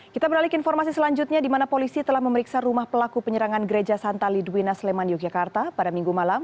kita beralih ke informasi selanjutnya di mana polisi telah memeriksa rumah pelaku penyerangan gereja santa lidwina sleman yogyakarta pada minggu malam